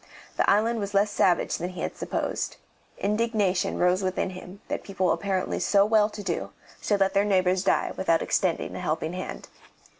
The island was less savage than he had supposed. Indignation rose within him that people apparently so well to do should let their neighbours die without extending a helping hand.